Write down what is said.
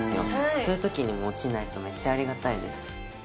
そういうときにも落ちないとめっちゃありがたいです